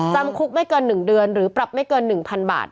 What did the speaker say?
จำคุกไม่เกิน๑เดือนหรือปรับไม่เกิน๑๐๐๐บาท